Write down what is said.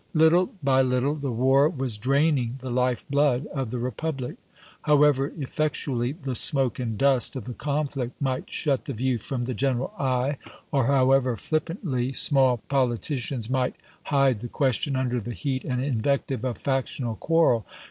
Little by little the war was draining the lifeblood of the republic. However effectually the smoke and dust of the conflict might shut the view from the general eye, or however flippantly small politi cians might hide the question under the heat and invective of factional quarrel.